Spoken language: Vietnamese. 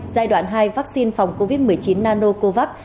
giai đoạn hai vaccine phòng covid một mươi chín nanocovax